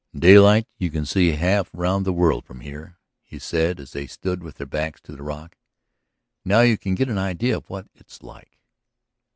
"In daylight you can see half round the world from here," he said as they stood with their backs to the rock. "Now you can get an idea of what it's like."